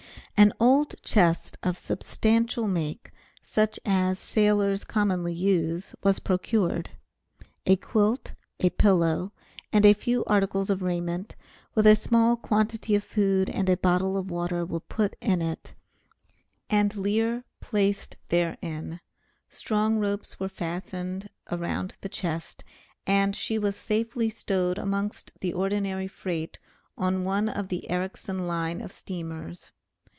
An old chest of substantial make, such as sailors commonly use, was procured. A quilt, a pillow, and a few articles of raiment, with a small quantity of food and a bottle of water were put in it, and Lear placed therein; strong ropes were fastened around the chest and she was safely stowed amongst the ordinary freight on one of the Erricson line of steamers.